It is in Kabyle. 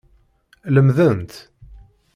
Lemdent.